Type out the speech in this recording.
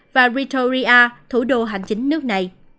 và ritoria thủ đô hành chính nước này